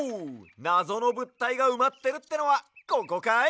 なぞのぶったいがうまってるってのはここかい？